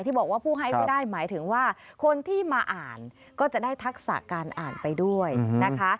บอกว่าผู้ให้ไม่ได้หมายถึงว่าคนที่มาอ่านก็จะได้ทักษะการอ่านไปด้วยนะคะ